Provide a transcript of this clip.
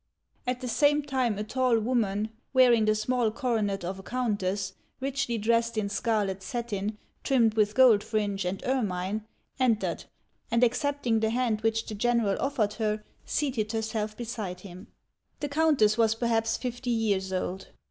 At the same time a tall woman, wearing the small coronet of a countess, richly dressed in scarlet satin trimmed with gold fringe and ermine, entered, and accept ing the hand which the general offered her, seated herself beside him. HANS OF ICELAND. 79 The countess was perhaps fifty years old.